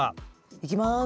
いきます。